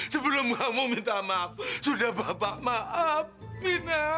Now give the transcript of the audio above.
sebelum kamu minta maaf sudah bapak maafin nak